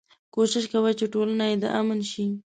کوشش کوي چې ټولنه يې د امن شي.